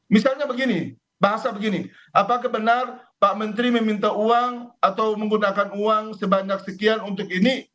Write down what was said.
misalnya begini bahasa begini apakah benar pak menteri meminta uang atau menggunakan uang sebanyak sekian untuk ini